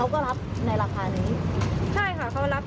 แต่ว่าก็มาเกิดเรื่องว่าที่เขาว่าพองนี่ล่ะค่ะ